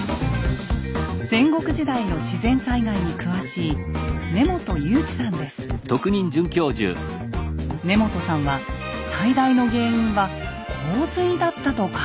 戦国時代の自然災害に詳しい根元さんは最大の原因は洪水だったと考えています。